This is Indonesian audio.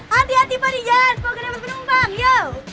hati hati mbak di jalan mau ke nempat penumpang yo